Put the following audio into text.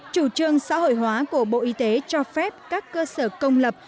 chủ trương xã hội hóa của bộ y tế cho phép các cơ sở công lập